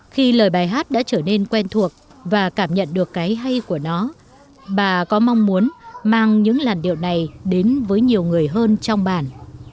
khi lời bài hát đã trở nên quen thuộc và cảm nhận được cái hay của nó bà có mong muốn mang những làn điệu này đến với nhiều người hơn trong bản